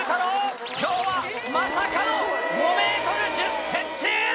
今日はまさかの５ｍ１０ｃｍ！